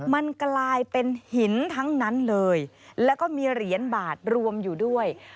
มันกลายเป็นหินทั้งนั้นเลยแล้วก็มีเหรียญบาทรวมอยู่ด้วย